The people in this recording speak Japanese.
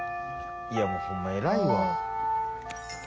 いやもうほんま偉いわ。